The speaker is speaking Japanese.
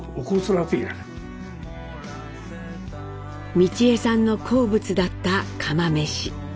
美智榮さんの好物だった釜めし。